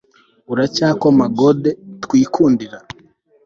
uracyakoma gode twikundira